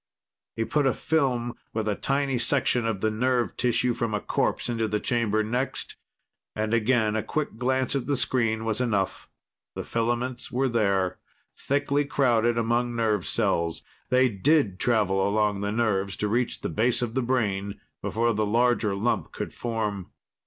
He put a film with a tiny section of the nerve tissue from a corpse into the chamber next, and again a quick glance at the screen was enough. The filaments were there, thickly crowded among nerve cells. They did travel along the nerves to reach the base of the brain before the larger lump could form.